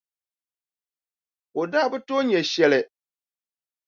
O daa bi tooi nya shɛli.